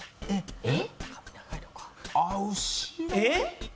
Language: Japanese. えっ？